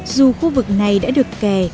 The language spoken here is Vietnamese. dù khu vực này đã được kè